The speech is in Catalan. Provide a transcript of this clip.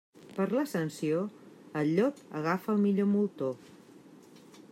Per l'Ascensió, el llop agafa el millor moltó.